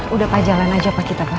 udah pak jalan aja pak kita pak